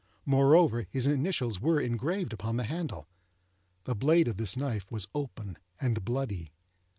Moreover, his initials were engraved upon the handle. The blade of this knife was open and bloody.